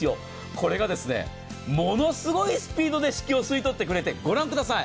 これがものすごいスピードで湿気を吸い取ってくれてご覧ください